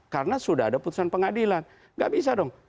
karena sudah ada putusan pengadilan niin tidak bisa dong